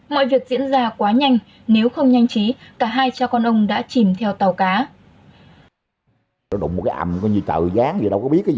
mọi việc diễn ra quá nhanh nếu không nhanh chí cả hai cha con ông đã chìm theo tàu cá